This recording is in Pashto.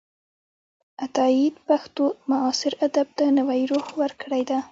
عطاييد پښتو معاصر ادب ته نوې روح ورکړې ده.